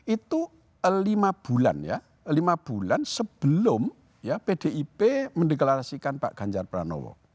itu lima bulan ya lima bulan sebelum pdip mendeklarasikan pak ganjar pranowo